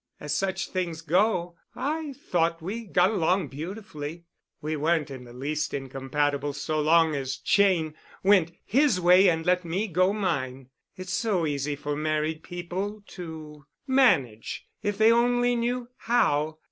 As such things go, I thought we got along beautifully. We weren't in the least incompatible so long as Cheyne went his way and let me go mine. It's so easy for married people to manage, if they only knew how.